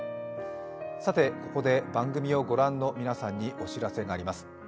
さて、ここで番組をご覧の皆さんにお知らせがあります。